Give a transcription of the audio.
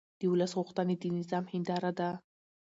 د ولس غوښتنې د نظام هنداره ده